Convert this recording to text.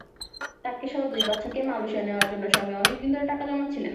তাঁকেসহ দুই বাচ্চাকে মালয়েশিয়া নেওয়ার জন্য স্বামী অনেক দিন ধরে টাকা জমাচ্ছিলেন।